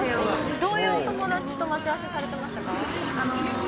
どういう友達と待ち合わせされてましたか？